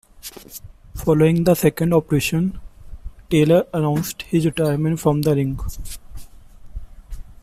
Following the second operation, Taylor announced his retirement from the ring.